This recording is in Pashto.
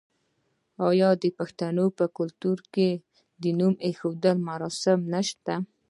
آیا د پښتنو په کلتور کې د نوم ایښودلو مراسم نشته؟